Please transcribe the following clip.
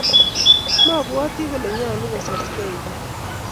Mabwoti ale nyalu kosaskeiy bik.